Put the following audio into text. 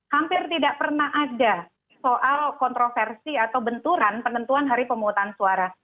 hampir tidak pernah ada soal kontroversi atau benturan penentuan hari pemungutan suara